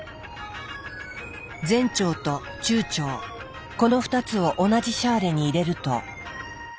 前腸と中腸この２つを同じシャーレに入れると。